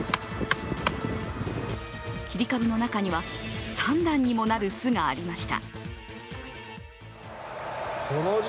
切り株の中には３段にもなる巣がありました。